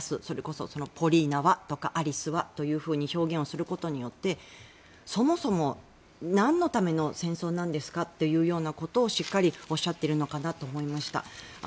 それこそ、ポリーナはとかアリスはと表現することによってそもそも、なんのための戦争なんですかってことをしっかりおっしゃってるのかなと思いました。